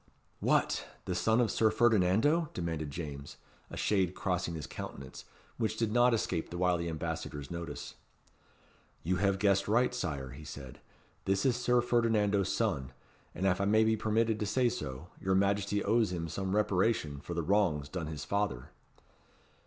"What! the son of Sir Ferdinando?" demanded James, a shade crossing his countenance, which did not escape the wily ambassador's notice. "You have guessed right, Sire," he said. "This is Sir Ferdinando's son; and, if I may be permitted to say so, your Majesty owes him some reparation for the wrongs done his father."